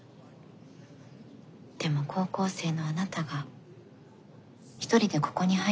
でも高校生のあなたが１人でここに入ったのを見て。